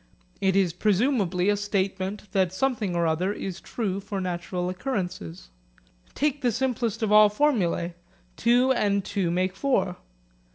It is presumably a statement that something or other is true for natural occurrences. Take the simplest of all formulae, Two and two make four.